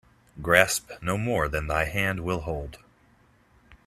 Grasp no more than thy hand will hold.